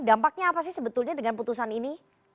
dampaknya apa sih sebetulnya dengan putusan ini